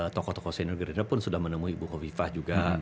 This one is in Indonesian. tokoh tokoh senior gerindra pun sudah menemui bukovifah juga